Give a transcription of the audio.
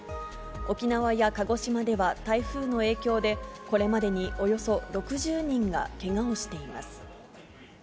沖縄や鹿児島では、台風の影響で、これまでにおよそ６０人がけがをしています。